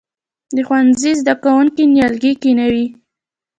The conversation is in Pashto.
د ښوونځي زده کوونکي نیالګي کینوي؟